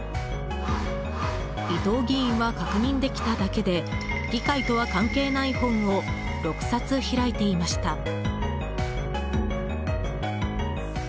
伊藤議員は確認できただけで議会とは関係ない本を６冊開いていました。